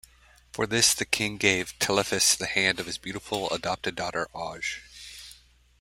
For this the King gave Telephus the hand of his beautiful adopted daughter Auge.